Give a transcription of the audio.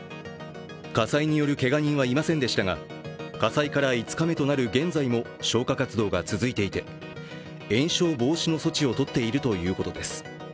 火災によるけが人はいませんでしたが火災から５日目となる現在も消火活動が続いていて延焼防止の措置を取っているということです。